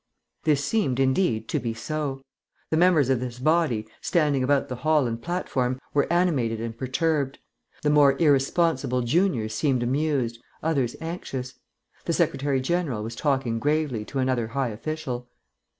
This seemed, indeed, to be so. The members of this body, standing about the hall and platform, were animated and perturbed; the more irresponsible juniors seemed amused, others anxious. The Secretary General was talking gravely to another high official.